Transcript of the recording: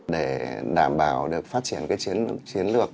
để đảm bảo được phát triển cái chiến lược